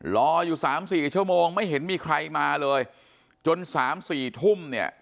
รออยู่๓๔ชั่วโมงไม่เห็นมีใครมาเลยจน๓๔ทุ่มเนี่ย